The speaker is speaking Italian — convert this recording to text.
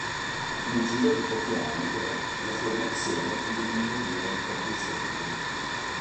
Nel giro di pochi anni, però, la formazione vide diminuire il proprio seguito.